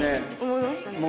思いましたね。